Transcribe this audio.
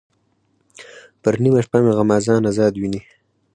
پر نیمه شپه مې غمازان آزار ویني.